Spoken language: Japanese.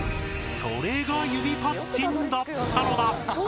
それが指パッチンだったのだ！